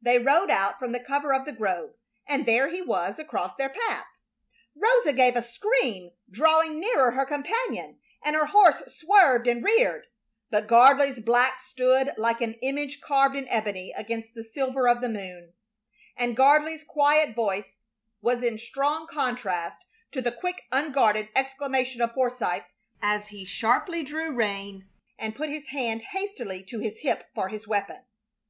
They rode out from the cover of the grove, and there he was across their path. Rosa gave a scream, drawing nearer her companion, and her horse swerved and reared; but Gardley's black stood like an image carved in ebony against the silver of the moon, and Gardley's quiet voice was in strong contrast to the quick, unguarded exclamation of Forsythe, as he sharply drew rein and put his hand hastily to his hip for his weapon.